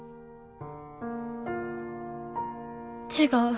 違う。